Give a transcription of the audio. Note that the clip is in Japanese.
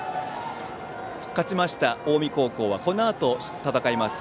勝ちました近江高校はこのあと、戦います